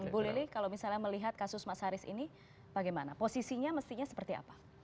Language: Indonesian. bu lili kalau misalnya melihat kasus mas haris ini bagaimana posisinya mestinya seperti apa